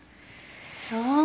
そう。